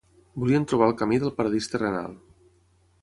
Volien trobar el camí del Paradís Terrenal.